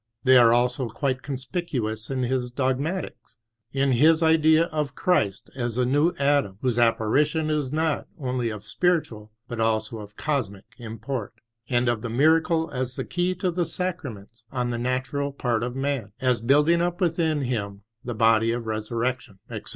They are also quite conspicuous in his Dogmatics, in his idea of Christ as the new Adam, whose apparition is not only of spiritual but also of cosmic import ; of the miracle as the key to the last understanding of nature ; of the effect of the sacraments on the natural part of man as building up within him the body of resur rection, etc.